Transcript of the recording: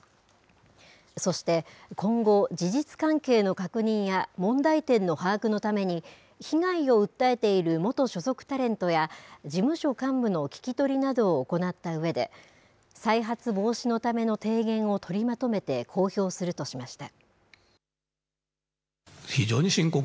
そして、今後、事実関係の確認や問題点の把握のために、被害を訴えている元所属タレントや、事務所幹部の聞き取りなどを行ったうえで、再発防止のための提言を取りまとめて公表するとしました。